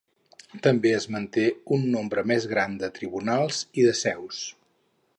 També es manté un nombre més gran de tribunals i de seus.